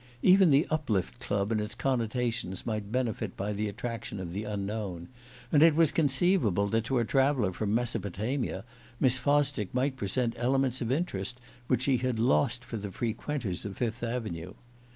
Even the Uplift Club and its connotations might benefit by the attraction of the unknown; and it was conceivable that to a traveller from Mesopotamia Miss Fosdick might present elements of interest which she had lost for the frequenters of Fifth Avenue.